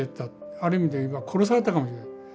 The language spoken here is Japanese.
ある意味で言えば殺されたかも。